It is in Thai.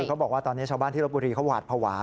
เขาบอกว่าตอนนี้ชาวบ้านที่รบบุรีเขาหวาดภาวะ